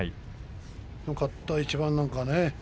勝った一番なんかね